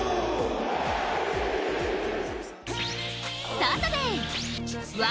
サタデー！